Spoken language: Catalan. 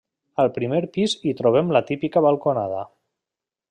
Al primer pis hi trobem la típica balconada.